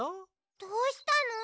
どうしたの？